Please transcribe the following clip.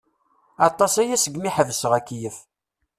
Aṭas aya segmi i ḥebseɣ akeyyef.